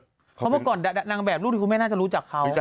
เพราะเมื่อก่อนนางแบบรูปที่คุณแม่น่าจะรู้จักเขา